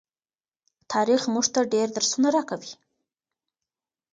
تاریخ مونږ ته ډیر درسونه راکوي.